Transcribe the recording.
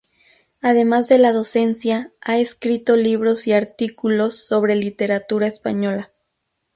Además de la docencia, ha escrito libros y artículos sobre literatura española.